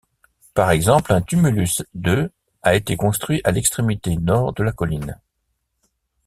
Par exemple, un tumulus de a été construit à l'extrémité nord de la colline.